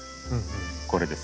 これです。